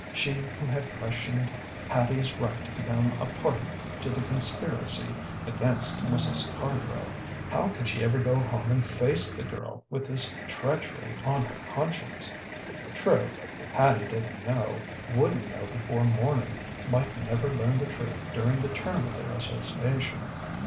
She who had questioned Hattie's right to become a party to the conspiracy against Mrs. Cardrow how could she ever go home and face the girl, with this treachery on her conscience? True: Hattie didn't know, wouldn't know before morning, might never learn the truth during the term of their association.